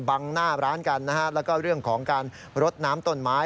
หน้าร้านกันนะฮะแล้วก็เรื่องของการรดน้ำต้นไม้